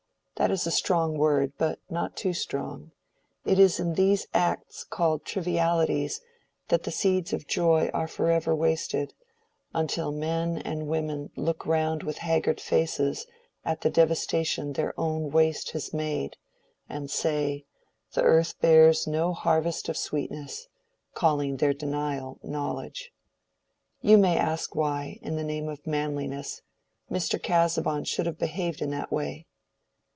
That is a strong word, but not too strong: it is in these acts called trivialities that the seeds of joy are forever wasted, until men and women look round with haggard faces at the devastation their own waste has made, and say, the earth bears no harvest of sweetness—calling their denial knowledge. You may ask why, in the name of manliness, Mr. Casaubon should have behaved in that way.